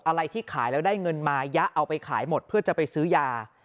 อะไรที่ขายแล้วได้เงินมายะเอาไปขายหมดเพื่อจะไปซื้อยา